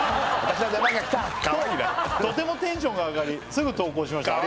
かわいいな「ととてもテンションが上がりすぐ投稿しました」